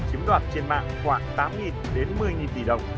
chiếm đoạt trên mạng khoảng tám đến một mươi tỷ đồng